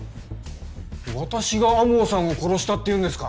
私が天羽さんを殺したっていうんですか！？